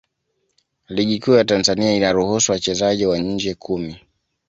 Ligi Kuu ya Tanzania inaruhusu wachezaji wa nje kumi.